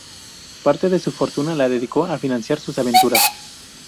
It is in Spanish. Parte de su fortuna la dedicó a financiar sus aventuras.